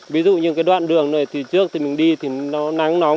ví dụ như cái đoạn đường này từ trước thì mình đi thì nó nắng nóng